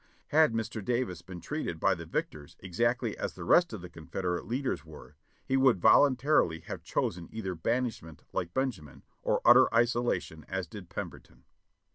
Had Mr. Davis been treated by the victors exactly as the rest of the Confederate leaders were, he would voluntarily have chosen either banishment like Benjamin, or utter isolation as did Pem berton.